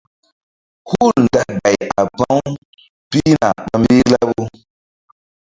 Hul nda gay a pa̧-u pihna ɓa mbih laɓu.